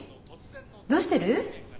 どうしてる？